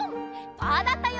パーだったよ。